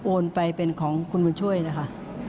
ไปเป็นของคุณบุญช่วยนะคะ